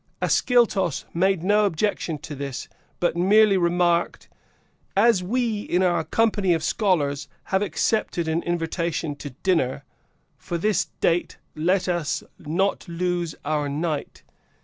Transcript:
Ascyltos made no objection to this, but merely remarked, "As we, in our capacity of scholars, have accepted an invitation to dinner, for this date, let us not lose our night.